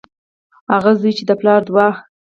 هغه زوی چې د پلار د دعا